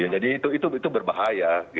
jadi itu berbahaya